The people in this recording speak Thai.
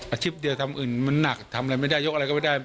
อาชีพเดียวทำอื่นมันหนักทำอะไรไม่ได้ยกอะไรก็ไม่ได้